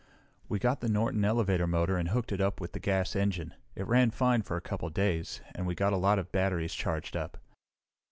We got the Norton elevator motor and hooked it up with the gas engine. It ran fine for a couple of days, and we got a lot of batteries charged up."